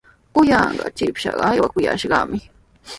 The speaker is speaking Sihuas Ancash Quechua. Kuyanqaa shipashqa aywakushqami.